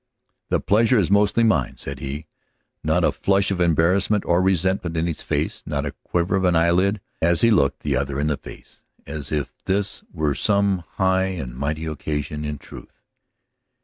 "The pleasure is mostly mine," said he, not a flush of embarrassment or resentment in his face, not a quiver of the eyelid as he looked the other in the face, as if this were some high and mighty occasion, in truth.